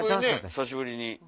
久しぶりに。